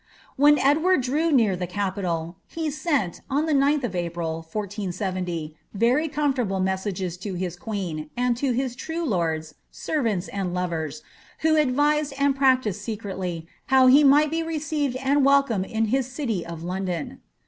When Edward drew near the capital, ^ he aent, on the 9th of April, 1470, very comfortable roessaj^ to his qoeen, and to his true lords, aenrants, and lovers, who advised and practised secretly how he might be received and welcomed m his city of London.'